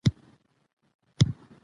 د اطلاعاتو او معلوماتو عمده منبع متون دي.